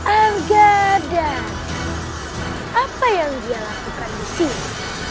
arga dan apa yang dia lakukan disini